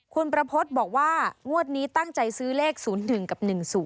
คุณประพฤติบอกว่างวดนี้ตั้งใจซื้อเลข๐๑กับ๑๐